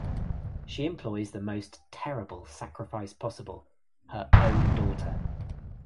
She employs the most terrible sacrifice possible: her own daughter.